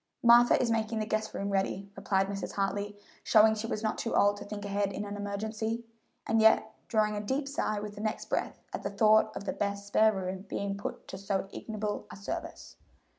"Martha is making the guest room ready," replied Mrs. Hartley, showing she was not too old to think ahead in an emergency, and yet drawing a deep sigh with the next breath at the thought of that best spare room being put to so ignoble a service.